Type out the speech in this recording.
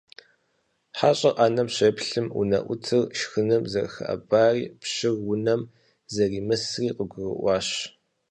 ХьэщӀэр Ӏэнэм щеплъым, унэӀутыр шхыным зэрыхэӀэбари пщыр унэм зэримысри къыгурыӀуащ.